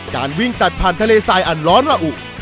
การวิ่งตัดผ่านทะเลทรายอันร้อนระอุ